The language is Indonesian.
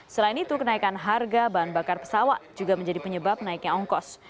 selain itu kenaikan harga bahan bakar pesawat juga menjadi penyebab naiknya ongkos